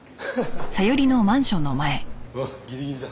うわっギリギリだ。